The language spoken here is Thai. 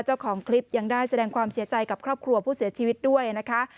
เจ้าของคลิปยังได้แสดงความเสียใจกับครอบครัวผู้เสียชีวิตด้วยนะคะ